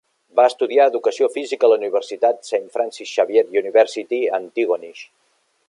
Va estudiar educació física a la universitat Saint Francis Xavier University a Antigonish.